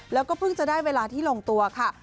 แล้วก็เพิ่งจะได้เวลาที่ลงตัวค่ะ